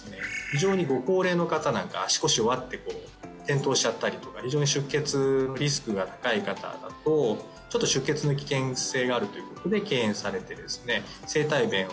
非常にご高齢の方なんか足腰弱ってこう転倒しちゃったりとか非常に出血のリスクが高い方だとちょっと出血の危険性があるということで敬遠されてですね先生